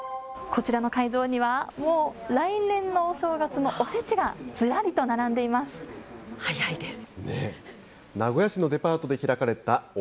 こちらの会場には、もう来年のお正月のおせちがずらりと並んでいます。